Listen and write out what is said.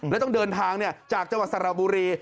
แล้วก็ต้องเดินทางเนี่ยจากจังหวัดสารบุรี